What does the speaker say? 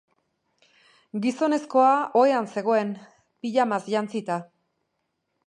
Gizonezkoa ohean zegoen, pijamaz jantzita.